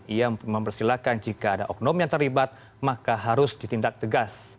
ia mempersilahkan jika ada oknum yang terlibat maka harus ditindak tegas